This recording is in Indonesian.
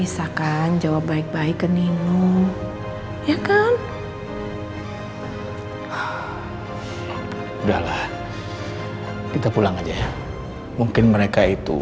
sampai jumpa di video selanjutnya